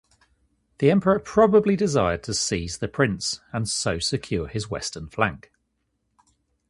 The emperor probably desired to seize the prince and so secure his western flank.